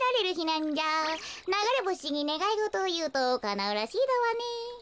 ながれぼしにねがいごとをいうとかなうらしいだわね。